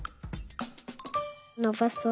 のばそう。